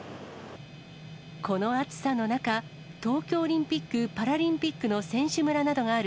この暑さの中、東京オリンピック・パラリンピックの選手村などがある、